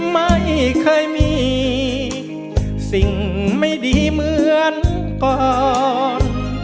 ไม่เคยมีสิ่งไม่ดีเหมือนก่อน